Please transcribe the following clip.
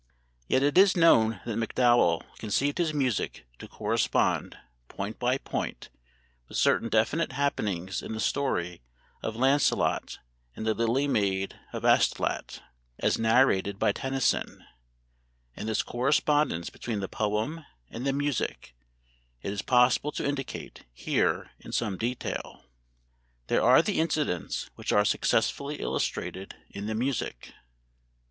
Yet it is known that MacDowell conceived his music to correspond, point by point, with certain definite happenings in the story of Lancelot and the Lily Maid of Astolat, as narrated by Tennyson; and this correspondence between the poem and the music it is possible to indicate here in some detail. These are the incidents which are successively illustrated in the music: I.